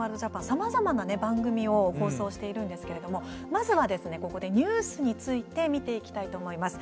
さまざまな番組を放送しているんですけれどもまずは、ここでニュースについて見ていきたいと思います。